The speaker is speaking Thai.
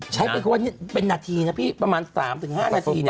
ใช้เป็นคนเป็นนาทีนะพี่ประมาณ๓๕นาที